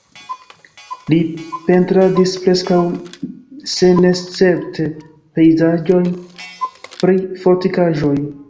Li pentradis preskaŭ senescepte pejzaĝojn pri fortikaĵoj.